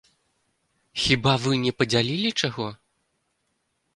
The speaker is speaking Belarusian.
Хіба вы не падзялілі чаго?